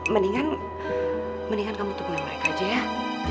mendingan kamu tukang mereka aja ya